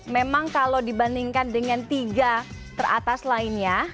memang kalau dibandingkan dengan tiga teratas lainnya